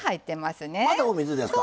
またお水ですか。